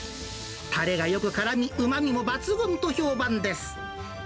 たれがよくからみ、うまみも抜群と評判です。